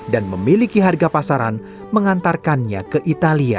dan memiliki harga pasaran mengantarkannya ke italia